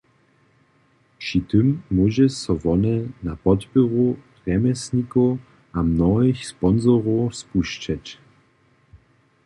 Při tym móže so wone na podpěru rjemjeslnikow a mnohich sponsorow spušćeć.